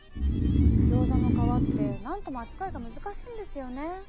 ギョーザの皮ってなんとも扱いが難しいんですよね。